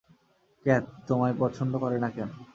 Cath তোমায় পছন্দ করে না কেন?